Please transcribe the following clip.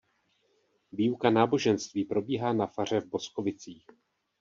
Výuka náboženství probíhá na faře v Boskovicích.